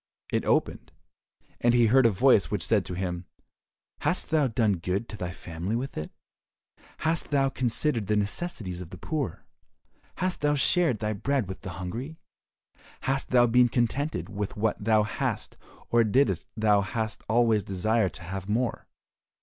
It opened, and he heard a voice which said to him, "Hast thou done good to thy family with it? Hast thou considered the necessities of the poor? Hast thou shared thy bread with the hungry? Hast thou been contented with what thou hast, or didst thou always desire to have more?"